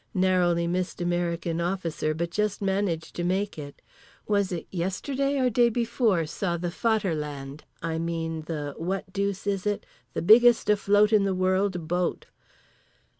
Narrowly missed American officer but just managed to make it. Was it yesterday or day before saw the Vaterland, I mean the what deuce is it—the biggest afloat in the world boat.